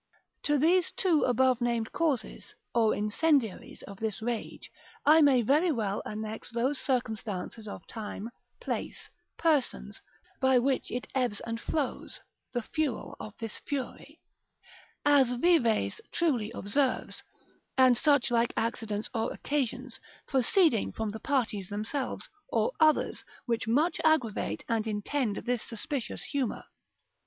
To these two above named causes, or incendiaries of this rage, I may very well annex those circumstances of time, place, persons, by which it ebbs and flows, the fuel of this fury, as Vives truly observes; and such like accidents or occasions, proceeding from the parties themselves, or others, which much aggravate and intend this suspicious humour.